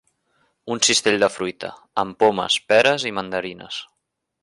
Un cistell de fruita, amb pomes, peres i mandarines.